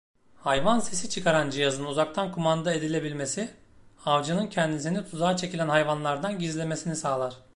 Hayvan sesi çıkaran cihazın uzaktan kumanda edilebilmesi, avcının kendisini tuzağa çekilen hayvanlardan gizlemesini sağlar.